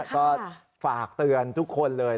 ก็ฝากเตือนทุกคนเลย